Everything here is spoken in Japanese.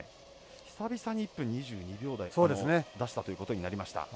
久々に１分２２秒台を出したということになりました。